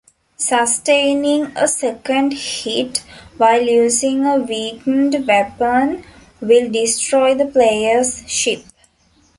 Sustaining a second hit while using a weakened weapon will destroy the player's ship.